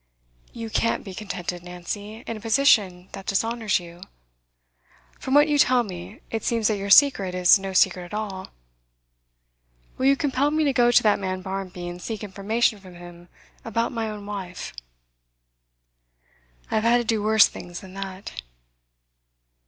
'You can't be contented, Nancy, in a position that dishonours you. From what you tell me, it seems that your secret is no secret at all. Will you compel me to go to that man Barmby and seek information from him about my own wife?' 'I have had to do worse things than that.